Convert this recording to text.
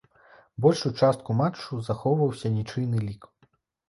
Большую частку матчу захоўваўся нічыйны лік.